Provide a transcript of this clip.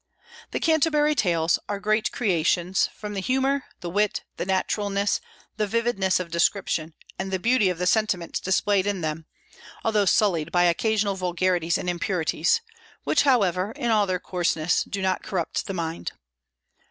The "Canterbury Tales" are great creations, from the humor, the wit, the naturalness, the vividness of description, and the beauty of the sentiments displayed in them, although sullied by occasional vulgarities and impurities, which, however, in all their coarseness do not corrupt the mind.